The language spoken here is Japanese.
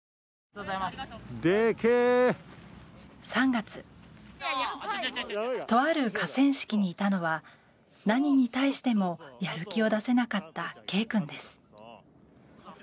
３月、とある河川敷にいたのは何に対してもやる気を出せなかったＫ君です。